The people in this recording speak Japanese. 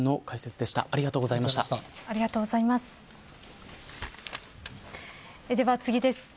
では、次です。